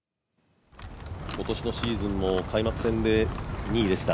今年のシーズンも開幕戦で２位でした。